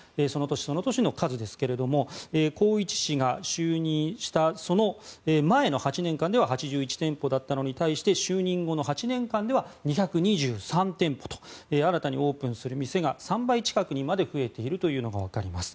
その年ごとの数ですが宏一氏が就任した前の８年間では８１店舗だったのに対して就任後の８年間では２２３店舗と新たにオープンする店が３倍近くまで増えているのが分かります。